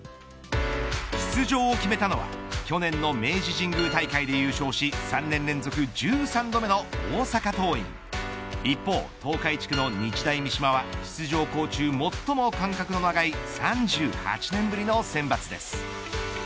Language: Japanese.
出場を決めたのは去年の明治神宮大会で優勝し３年連続１３度目の大阪桐蔭一方、東海地区の日大三島は通常校中、最も間隔の長い３８年ぶりのセンバツです。